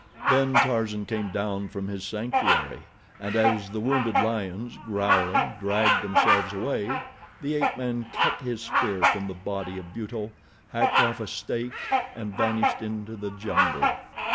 Then Tarzan came down from his sanctuary and as the wounded lions, growling, dragged themselves away, the ape man cut his spear from the body of Buto, hacked off a steak and vanished into the jungle.